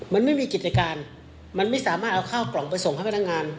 มันไม่มีกิจการมันไม่สามารถเอาข้าวกล่องไปส่งให้พนักงาน